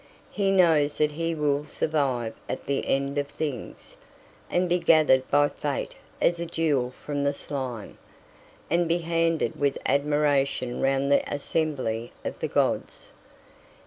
He knows that he will survive at the end of things, and be gathered by Fate as a jewel from the slime, and be handed with admiration round the assembly of the gods.